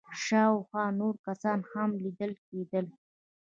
شاوخوا نور کسان هم ليدل کېدل.